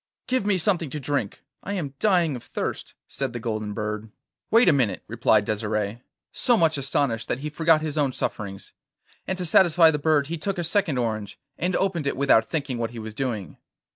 'Give me something to drink, I am dying of thirst,' said the golden bird. 'Wait a minute,' replied Desire, so much astonished that he forgot his own sufferings; and to satisfy the bird he took a second orange, and opened it without thinking what he was doing.